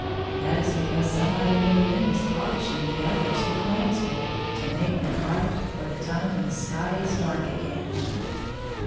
That is because somebody in the moon is pohshing the others with lamb's wool to make them bright for the time when the sky is dark again.